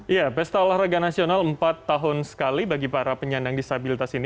ya pesta olahraga nasional empat tahun sekali bagi para penyandang disabilitas ini